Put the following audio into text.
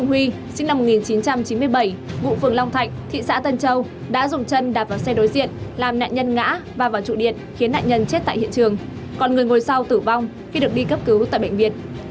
nguyễn huy sinh năm một nghìn chín trăm chín mươi bảy ngụ phường long thạnh thị xã tân châu đã dùng chân đạp vào xe đối diện làm nạn nhân ngã và vào trụ điện khiến nạn nhân chết tại hiện trường còn người ngồi sau tử vong khi được đi cấp cứu tại bệnh viện